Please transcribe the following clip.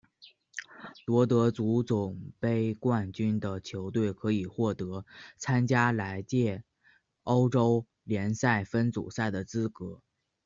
夺得足总杯冠军的球队可以获得参加来届欧洲联赛分组赛的资格。